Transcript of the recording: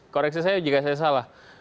koreksi saya jika saya salah